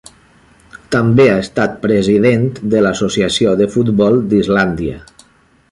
També ha estat president de l'Associació de Futbol d'Islàndia.